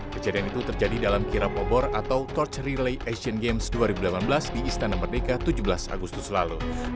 kejadian itu terjadi dalam kirap obor atau torch relay asian games dua ribu delapan belas di istana merdeka tujuh belas agustus lalu